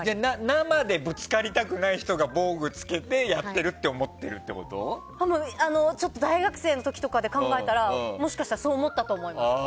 生でぶつかりたくない人が防具着けてやってるって大学生の時とかで考えたらもしかしたらそう思ったと思います。